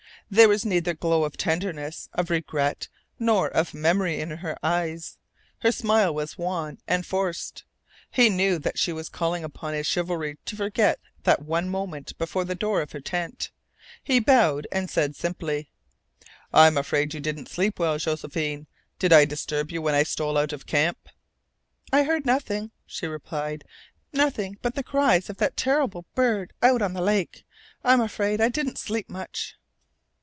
There was neither glow of tenderness, of regret, nor of memory in her eyes. Her smile was wan and forced. He knew that she was calling upon his chivalry to forget that one moment before the door of her tent. He bowed, and said simply: "I'm afraid you didn't sleep well, Josephine. Did I disturb you when I stole out of camp?" "I heard nothing," she replied. "Nothing but the cries of that terrible bird out on the lake. I'm afraid I didn't sleep much."